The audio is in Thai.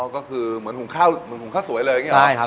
อ๋อก็คือเหมือนหุงข้าวสวยเลยอย่างนี้หรอ